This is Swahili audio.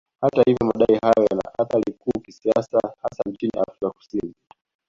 Hata hivyo madai hayo yana athari kuu kisiasa hasa nchini Afrika Kusini